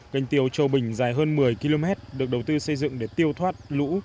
canh tiêu châu bình dài hơn một mươi km được đầu tư xây dựng để tiêu thoát lũ